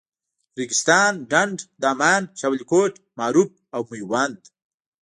ریګستان، ډنډ، دامان، شاولیکوټ، معروف او میوند.